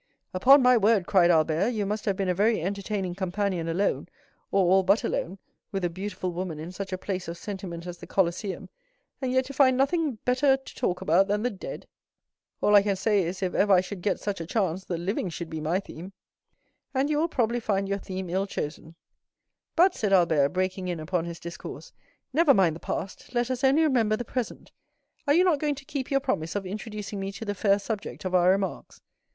"Upon my word," cried Albert, "you must have been a very entertaining companion alone, or all but alone, with a beautiful woman in such a place of sentiment as the Colosseum, and yet to find nothing better to talk about than the dead! All I can say is, if ever I should get such a chance, the living should be my theme." 20143m "And you will probably find your theme ill chosen." "But," said Albert, breaking in upon his discourse, "never mind the past; let us only remember the present. Are you not going to keep your promise of introducing me to the fair subject of our remarks?"